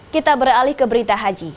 kita beralih ke berita haji